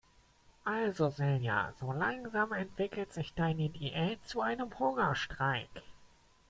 Also Silja, so langsam entwickelt sich deine Diät zu einem Hungerstreik.